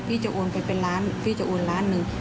พี่จะโอนไปเป็นล้านพี่จะโอนล้านหนึ่ง